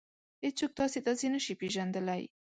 هېڅوک تاسې داسې نشي پېژندلی.